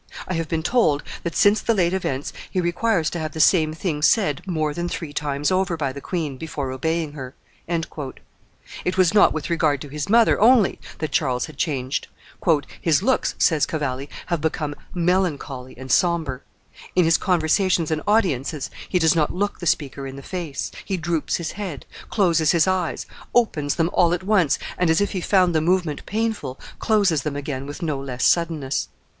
I have been told that, since the late events, he requires to have the same thing said more than three times over by the queen, before obeying her." It was not with regard to his mother only that Charles had changed. "His looks," says Cavalli, "have become melancholy and sombre; in his conversations and audiences he does not look the speaker in the face; he droops his head, closes his eyes, opens them all at once, and, as if he found the movement painful, closes them again with no less suddenness.